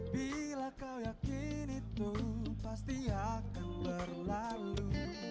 bila kayak gini pun pasti akan berlalu